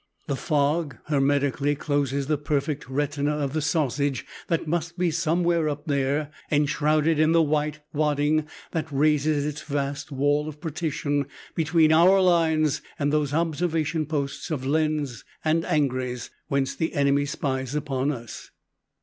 The fog hermetically closes the perfected retina of the Sausage that must be somewhere up there, enshrouded in the white wadding that raises its vast wall of partition between our lines and those observation posts of Lens and Angres, whence the enemy spies upon us.